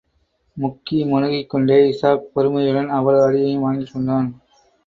முக்கி முனகிக்கொண்டே, இஷாக் பொறுமையுடன் அவ்வளவு அடியையும் வாங்கிக் கொண்டான்.